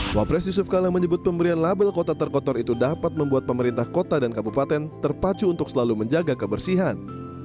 wapres yusuf kala menyebut pemberian label kota terkotor itu dapat membuat pemerintah kota dan kabupaten terpacu untuk selalu menjaga kebersihan